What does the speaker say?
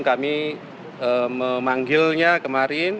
kami memanggilnya kemarin